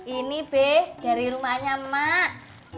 ini be dari rumahnya emak